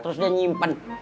terus dia nyimpen